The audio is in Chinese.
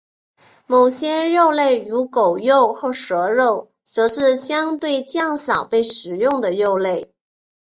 某些肉类如狗肉或蛇肉则是相对较少被食用的肉类。